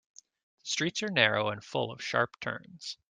The streets are narrow and full of sharp turns.